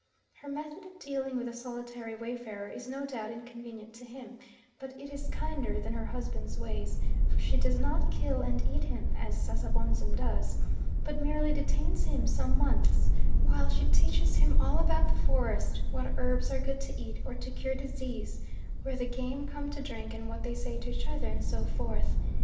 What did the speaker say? Her method of dealing with the solitary wayfarer is no doubt inconvenient to him, but it is kinder than her husband's ways, for she does not kill and eat him, as Sasabonsum does, but merely detains him some months while she teaches him all about the forest: what herbs are good to eat, or to cure disease; where the game come to drink, and what they say to each other, and so forth.